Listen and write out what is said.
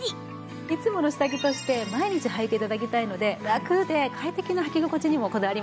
いつもの下着として毎日はいて頂きたいのでラクで快適なはき心地にもこだわりました。